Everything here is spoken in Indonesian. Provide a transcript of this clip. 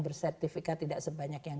bersertifikat tidak sebanyak yang